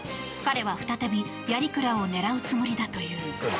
彼は再び鑓鞍を狙うつもりだという。